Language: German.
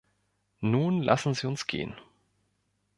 Nun lassen Sie uns gehen.